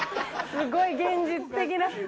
すごい現実的な。